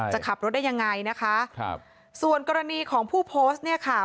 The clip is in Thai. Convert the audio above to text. จะขับรถได้ยังไงนะคะครับส่วนกรณีของผู้โพสต์เนี่ยค่ะ